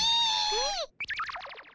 えっ？